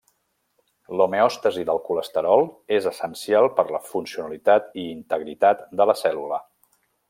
L'homeòstasi del colesterol és essencial per la funcionalitat i integritat de la cèl·lula.